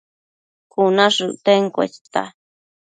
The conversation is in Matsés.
Cuna shëcten cuesta